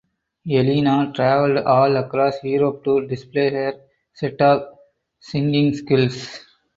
Elena travelled all across Europe to display her set of singing skills.